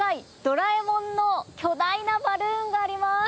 ドラえもんの巨大なバルーンがあります。